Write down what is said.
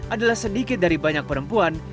adalah sedikit dari banyak perempuan